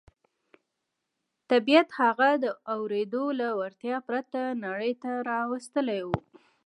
طبیعت هغه د اورېدو له وړتیا پرته نړۍ ته را استولی و